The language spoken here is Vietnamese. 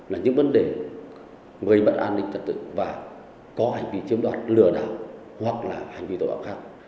là những vấn đề gây bất an ninh thật tự và có hành vi chiếm đoạt lừa đảo hoặc là hành vi tội ảo khác